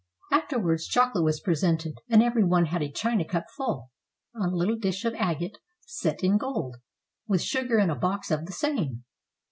Afterwards chocolate was pre sented, and every one had a china cup full, on a little dish of agate set in gold, with sugar in a box of the same.